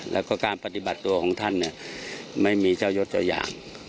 และการการปฏิบัติตัวของท่านเนี่ยไม่มีเจ้าโยชน์เจ้าอย่าง